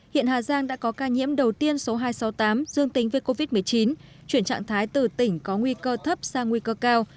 hiện hà giang đã có ca nhiễm đầu tiên số hai trăm sáu mươi tám dương tính với covid một mươi chín chuyển trạng thái từ tỉnh có nguy cơ thấp sang nguy cơ cao